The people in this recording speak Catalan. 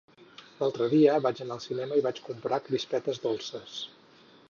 L'altre dia vaig anar al cinema i vaig comprar crispetes dolces